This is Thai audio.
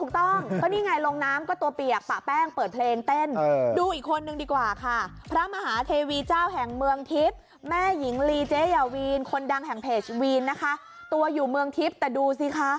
ถูกต้องก็นี่ไงลงน้ำก็ตัวเปียกปะแป้งเปิดเพลงเต้นดูอีกคนนึงดีกว่าค่ะพระมหาเทวีเจ้าแห่งเมืองทิพย์แม่หญิงลีเจ๊ยาวีนคนดังแห่งเพจวีนนะคะตัวอยู่เมืองทิพย์แต่ดูสิคะ